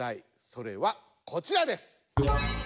それはこちらです！